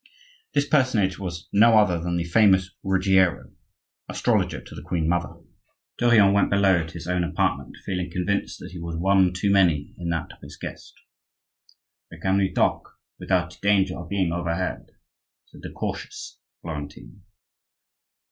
This personage was no other than the famous Ruggiero, astrologer to the queen mother. Tourillon went below to his own apartment, feeling convinced that he was one too many in that of his guest. "Where can we talk without danger of being overheard?" said the cautious Florentine.